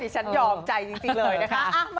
ฉันยอมใจจริงเลยนะคะ